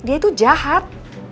dia tuh jahat